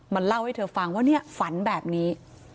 เล่าให้เธอฟังว่าเนี่ยฝันแบบนี้